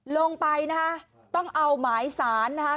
ลงไปนะฮะต้องเอาหมายสารนะคะ